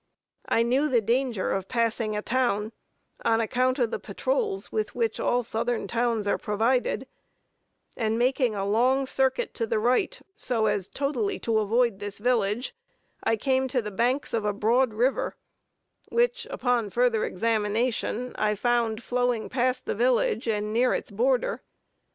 I knew the danger of passing a town, on account of the patrols with which all southern towns are provided, and making a long circuit to the right, so as totally to avoid this village, I came to the banks of a broad river, which, upon further examination, I found flowing past the village, and near its border.